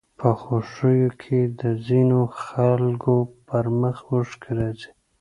په خوښيو کې د ځينو خلکو پر مخ اوښکې راځي